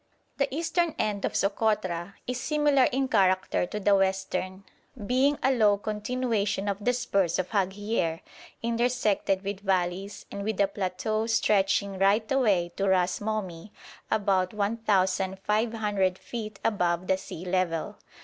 The eastern end of Sokotra is similar in character to the western, being a low continuation of the spurs of Haghier, intersected with valleys, and with a plateau stretching right away to Ras Momi about 1,500 feet above the sea level.